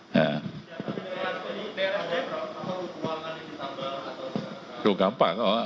jatah yang diterima dapat dikeritau atau tidak